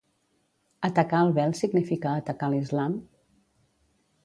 Atacar el vel significa atacar l'islam?